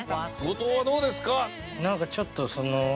後藤はどうですか？